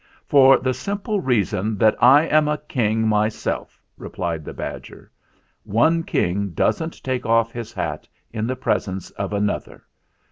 "For the simple reason that I am a king myself/' replied the badger. "One king doesn't take off his hat in the presence of an other.